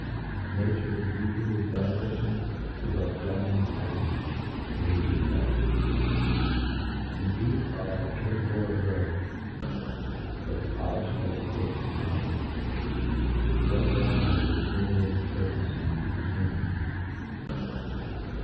Nature is equally beneficent to both gentlemen and peafant$ in thcfe jret fpefts J, and thefe are as capable as thofe of the polilh of education and company. What then are the difcriminating circumftances bc » tween them